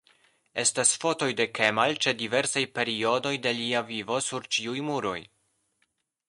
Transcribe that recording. Estas fotoj de Kemal ĉe diversaj periodoj de lia vivo sur ĉiuj muroj.